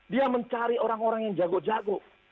dia mencari orang orang yang jago jago